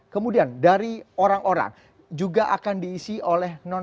kemudian dari orang orang juga akan diisi oleh nonton